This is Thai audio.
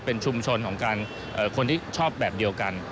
เป็นชุมชนของการคนที่ชอบแบบเดียวกัน